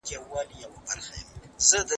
استاد د مسودي وروستۍ بڼه نه ګوري.